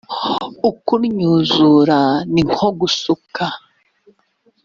ukunnyuzura ni nko gusuka